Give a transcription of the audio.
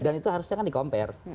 dan itu harusnya kan di compare